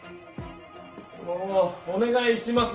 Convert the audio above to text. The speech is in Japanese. もうお願いします。